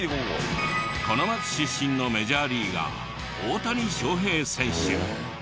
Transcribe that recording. この町出身のメジャーリーガー大谷翔平選手。